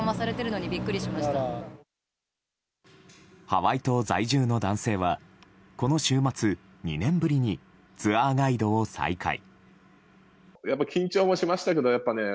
ハワイ島在住の男性はこの週末２年ぶりにツアーガイドを再開。